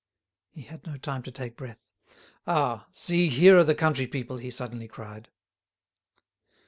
He had no time to take breath. "Ah! see, here are the country people!" he suddenly cried.